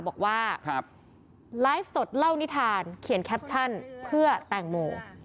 บอกว่าไลฟ์สดเล่านิทานเขียนแคปชั่นเพื่อแตงโม